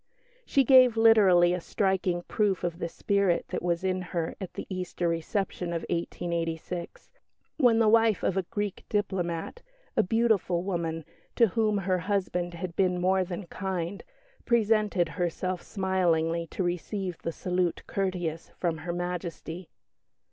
She gave literally a "striking" proof of the spirit that was in her at the Easter reception of 1886, when the wife of a Greek diplomat a beautiful woman, to whom her husband had been more than kind presented herself smilingly to receive the "salute courteous" from Her Majesty.